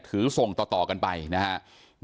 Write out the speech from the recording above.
ถือส่งต่อกันไปนะฮะ